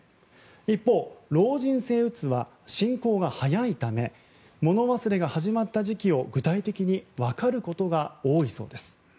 一方、老人性うつは進行が速いためもの忘れが始まった時期を具体的に分かることが多いそうです。